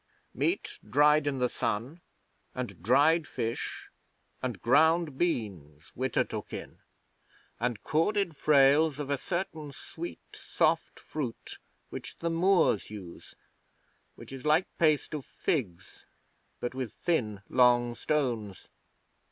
'Meat dried in the sun, and dried fish and ground beans, Witta took in; and corded frails of a certain sweet, soft fruit, which the Moors use, which is like paste of figs, but with thin, long stones.